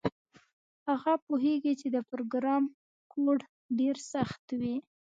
هغه پوهیږي چې د پروګرام کوډ ډیر سخت وي